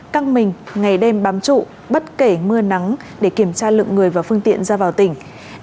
căng mình ngày đêm bám trụ bất kể mưa nắng để kiểm tra lượng người và phương tiện ra vào tỉnh